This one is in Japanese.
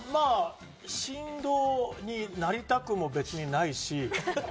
神童になりたくも別にないし。